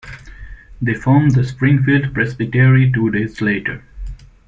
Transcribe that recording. They formed the Springfield Presbytery two days later.